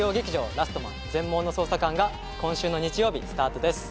「ラストマン−全盲の捜査官−」が今週の日曜日スタートです